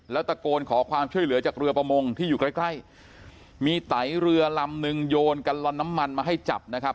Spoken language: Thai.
แล้วตะโกนขอความช่วยเหลือจากเรือประมงที่อยู่ใกล้ใกล้มีไตเรือลำนึงโยนกันลอนน้ำมันมาให้จับนะครับ